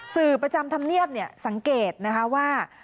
สื่อประจำธรรมเนียบสังเกตนะคะว่า